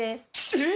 えっ！？